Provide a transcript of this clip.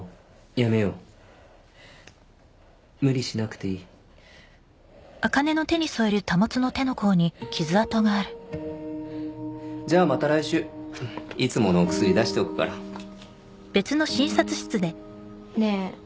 やめよう無理しなくていいじゃあまた来週いつものお薬出しておくからねえ